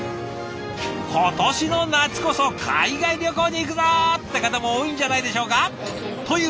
今年の夏こそ海外旅行に行くぞって方も多いんじゃないでしょうか？という